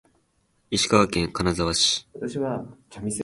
石川県金沢市